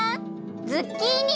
ズッキーニ！